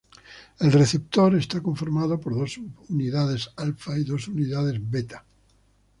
El receptor está conformado por dos subunidades alfa y dos unidades beta.